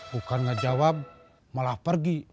bukan ngejawab malah pergi